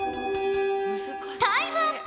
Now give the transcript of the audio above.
タイムアップ。